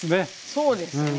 そうですね。